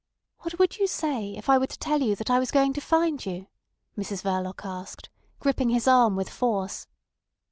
"What would you say if I were to tell you that I was going to find you?" Mrs Verloc asked, gripping his arm with force.